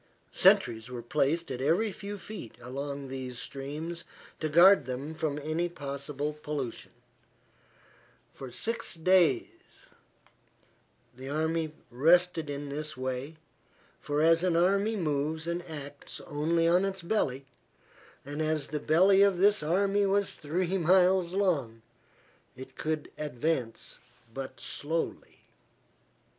Sentries were placed at every few feet along these streams to guard them from any possible pollution. For six days the army rested in this way, for as an army moves and acts only on its belly, and as the belly of this army was three miles long, it could advance but slowly.